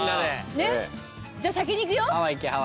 ねっじゃあ先にいくよ。